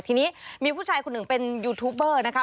ทีนี้มีผู้ชายคนหนึ่งเป็นยูทูบเบอร์นะคะ